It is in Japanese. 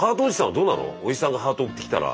おじさんがハート送ってきたら。